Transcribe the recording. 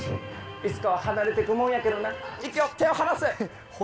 いつかは離れていくもんやけどな、いくよ、手を離せ。